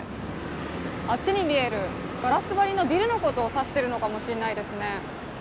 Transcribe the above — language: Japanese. ガラス張りのビルのことを指してるのかもしれないですね。